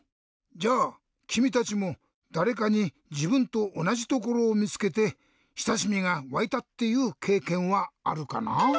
じゃあきみたちもだれかにじぶんとおなじところをみつけてしたしみがわいたっていうけいけんはあるかな？